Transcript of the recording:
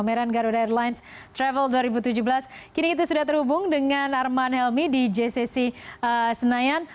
pameran garuda airlines travel dua ribu tujuh belas kini kita sudah terhubung dengan arman helmi di jcc senayan